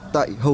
tại hồ chí minh